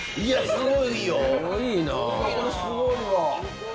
すごいわ！